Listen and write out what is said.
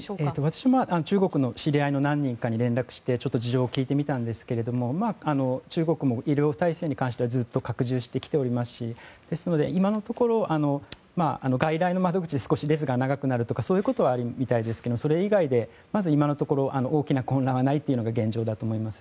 私も中国の知り合いの何人かに連絡して事情を聞いてみたんですけれど中国も医療体制に関してはずっと拡充してきておりますので今のところ外来の窓口が少し列が長くなるですとかそういうことはあるみたいですがそれ以外で今のところ大きな混乱はないというのが現状だと思います。